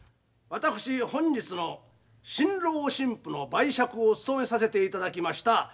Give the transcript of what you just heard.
私本日の新郎新婦の媒酌を務めさせていただきました